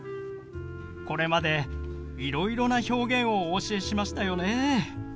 これまでいろいろな表現をお教えしましたよね。